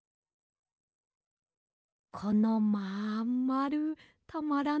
このまんまるたまらないですよね。